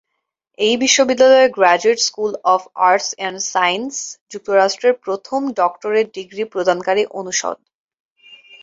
এই বিশ্ববিদ্যালয়ের graduate school of arts and science যুক্তরাষ্ট্রের প্রথম ডক্টরেট ডিগ্রি প্রদানকারী অনুষদ।